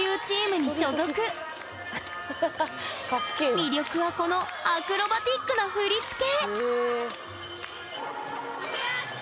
魅力はこのアクロバティックな振り付け！